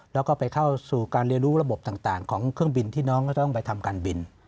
แล้วก็ไปเข้าสู่การเรียนรู้ระบบต่างของเครื่องบินที่น้องก็ต้องไปทำการบิน